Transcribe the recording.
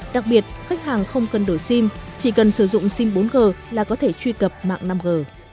đặc biệt khách hàng không cần đổi sim chỉ cần sử dụng sim bốn g là có thể truy cập mạng năm g